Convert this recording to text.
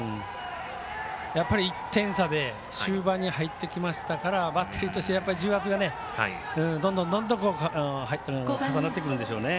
やっぱり１点差で終盤に入ってきましたからバッテリーとして重圧はどんどん重なってくるんでしょうね。